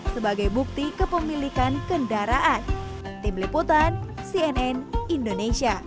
sebagai bukti kepemilikan kendaraan